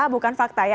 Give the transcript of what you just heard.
bukan fakta ya